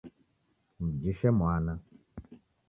Mjishe mwana.